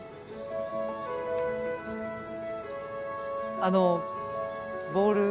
あのボール。